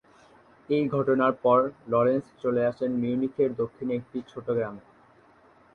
এই ঘটনার পর লরেন্স চলে আসেন মিউনিখের দক্ষিণে একটি ছোটো গ্রামে।